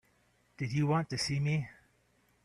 Did you want to see me?